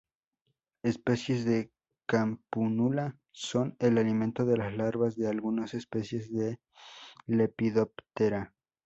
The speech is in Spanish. Especies de "Campanula" son el alimento de las larvas de algunas especies de Lepidoptera.